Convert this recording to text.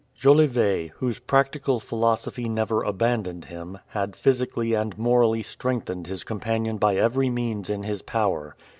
Jolivet, whose practical philosophy never abandoned him, had physically and morally strengthened his companion by every means in his power.